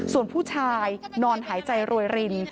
ส่วนผู้ชายนอนหายใจรวยริน